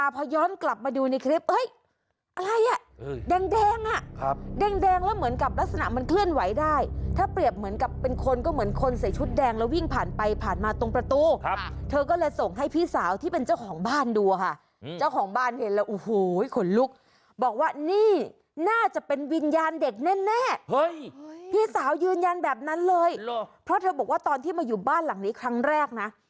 เพราะเธอบอกว่าตอนที่มาอยู่บ้านหลังนี้ครั้งแรกนะ